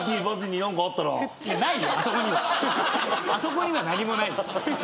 あそこには何もないよ。